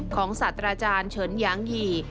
ของสัตราจารย์เฉินยังหยี่